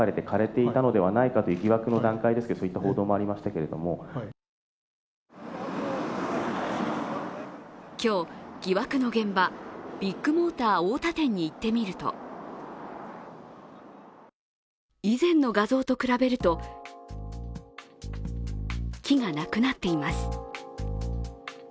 例えば今日、疑惑の現場、ビッグモーター太田店に行って見ると以前の画像と比べると、木がなくなっています。